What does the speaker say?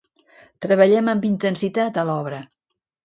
Treballem amb intensitat a l'obra.